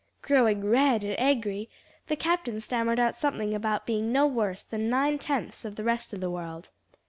Growing red and angry, the captain stammered out something about being no worse than ninetenths of the rest of the world.